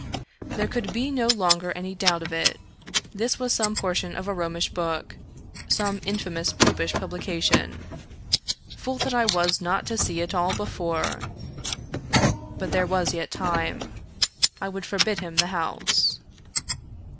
There could be no longer any doubt of it. This was some portion of a Romish book — some in famous Popish publication. Fool that I was not to see it all before! But there was yet time. I would forbid him the house.